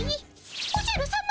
おじゃるさま！